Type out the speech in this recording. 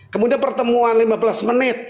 kemudian pertemuan lima belas menit